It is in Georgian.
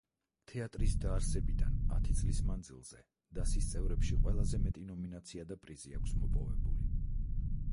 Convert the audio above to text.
თეატრის დაარსებიდან ათი წლის მანძილზე დასის წევრებში ყველაზე მეტი ნომინაცია და პრიზი აქვს მოპოვებული.